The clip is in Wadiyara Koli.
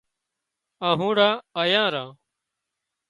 آنهُوڙان آيان ران